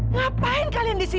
ngapain kalian disini